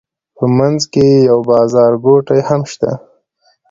په منځ کې یې یو بازارګوټی هم شته.